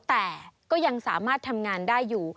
แต่ก็ยังสามารถทำงานได้อยู่